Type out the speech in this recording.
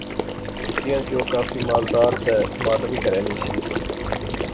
کیاں کہ او کافی مالدار تہ ماڈرن کہرے نی سی